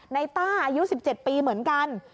ต้าอายุ๑๗ปีเหมือนกัน